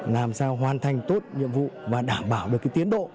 làm sao hoàn thành tốt nhiệm vụ và đảm bảo được tiến độ